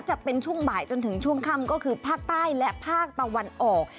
จะเป็นช่วงบ่ายจนถึงช่วงค่ำก็คือภาคใต้และภาคตะวันออก